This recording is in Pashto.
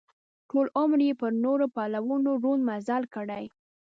ټول عمر یې پر نورو پلونو ړوند مزل کړی.